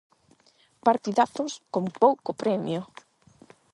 Partidazos con pouco premio.